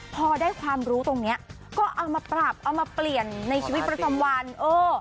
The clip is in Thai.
พอได้ความรู้ตรงเนี้ยก็เอามาปรับเอามาเปลี่ยนในชีวิตประจำวันเออ